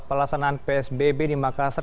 pelaksanaan psbb di makassar